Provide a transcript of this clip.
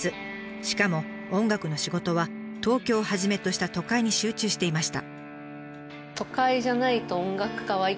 しかも音楽の仕事は東京をはじめとした都会に集中していました。